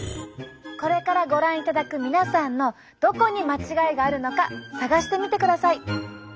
これからご覧いただく皆さんのどこに間違いがあるのか探してみてください。